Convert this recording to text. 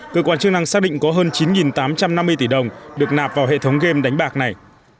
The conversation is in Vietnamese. cơ quan chức năng xác định có hơn chín tám trăm năm mươi tỷ đồng được nạp vào hệ thống game đánh bạc này